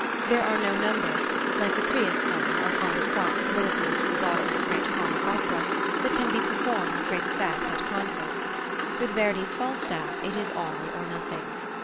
There are no numbers, like the "Preis" song or Hans Sachs' soliloquies from Wagner's great comic opera, that can be performed with great effect at concerts: with Verdi's Falstaff it is all or nothing.